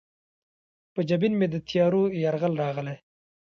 په جبین مې د تیارو یرغل راغلی